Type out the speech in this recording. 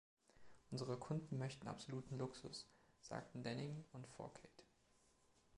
„Unsere Kunden möchten absoluten Luxus“, sagten Denning und Fourcade.